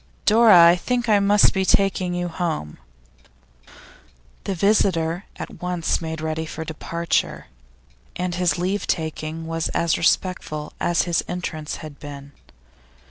'Dora, I think I must be taking you home.' The visitor at once made ready for departure, and his leave taking was as respectful as his entrance had been.